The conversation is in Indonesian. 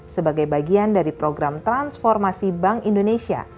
sebagai bagian dari program transformasi bank indonesia